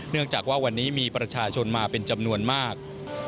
จากว่าวันนี้มีประชาชนมาเป็นจำนวนมาก